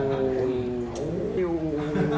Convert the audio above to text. แรงแรง